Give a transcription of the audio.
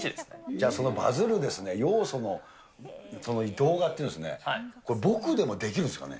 じゃあそのバズる要素の動画っていうのですね、これ、僕でもできるんですかね？